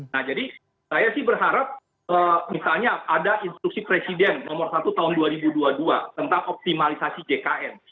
nah jadi saya sih berharap misalnya ada instruksi presiden nomor satu tahun dua ribu dua puluh dua tentang optimalisasi jkn